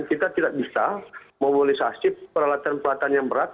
kita tidak bisa mobilisasi peralatan peralatan yang berat